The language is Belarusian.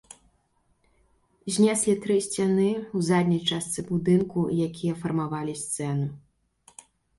Знеслі тры сцяны ў задняй частцы будынку, якія фармавалі сцэну.